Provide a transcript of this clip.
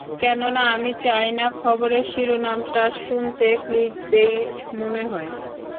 কেননা, আমি চাই না খবরের শিরোনামটা শুনতে ক্লিকবেইট মনে হয়!